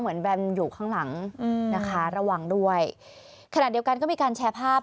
แบมอยู่ข้างหลังอืมนะคะระวังด้วยขณะเดียวกันก็มีการแชร์ภาพ